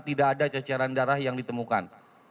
tidak ada ceceran darah yang ditemukan